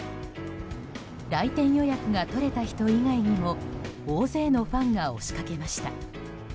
来店予約が取れた人以外にも大勢のファンが押しかけました。